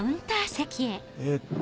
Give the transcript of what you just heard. えっと